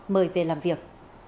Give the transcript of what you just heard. mời về làm việc